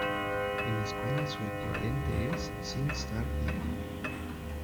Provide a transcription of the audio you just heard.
En España su equivalente es SingStar Latino.